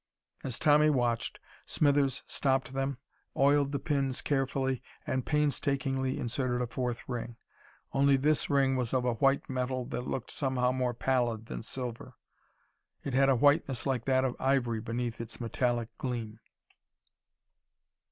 As Tommy watched, Smithers stopped them, oiled the pins carefully, and painstakingly inserted a fourth ring. Only this ring was of a white metal that looked somehow more pallid than silver. It had a whiteness like that of ivory beneath its metallic gleam.